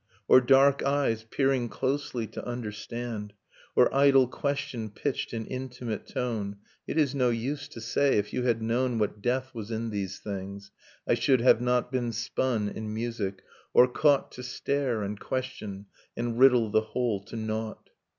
Or dark eyes peering closely to understand. Or idle question pitched in intimate tone, — It is no use to say, if you had known What death was in these things, I should have not been spun in music, or caught Nocturne of Remembered Spring To stare, and question, and riddle the whole to nought